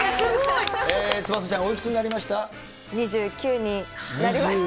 翼ちゃん、おいくつになりま２９になりました。